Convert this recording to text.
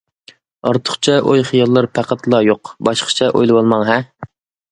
ئارتۇقچە ئوي-خىياللار پەقەتلا يوق، باشقىچە ئويلىۋالماڭ ھە.